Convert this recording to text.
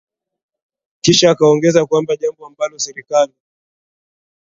Kisha akaongeza kwamba jambo ambalo serikali